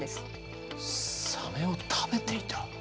サメを食べていた？